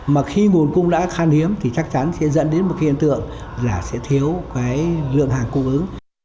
mà khi nguồn cung đã khan hiếm thì chắc chắn sẽ dẫn đến một cái hiện tượng là sẽ thiếu cái lượng hàng cung ứng